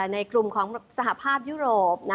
ในกลุ่มของสหภาพยุโรป